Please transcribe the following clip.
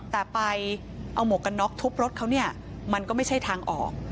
แต่ไปเอาหมวกกันน็อกทุบรถเขาเนี่ยมันก็ไม่ใช่ทางออก